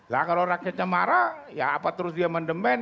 nah kalau rakyatnya marah ya apa terus dia mendemain